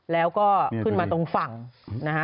แล้วก็ขึ้นมาตรงฝั่งนะฮะ